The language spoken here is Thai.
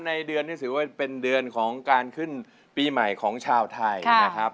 ในเดือนที่ถือว่าเป็นเดือนของการขึ้นปีใหม่ของชาวไทยนะครับ